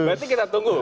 berarti kita tunggu